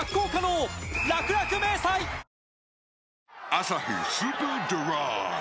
「アサヒスーパードライ」